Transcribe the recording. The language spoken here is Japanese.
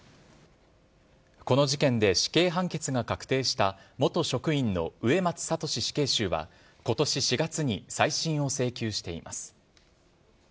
この事件で死刑判決が確定した元職員の植松聖死刑囚は、ことし４月に再審を請求しています。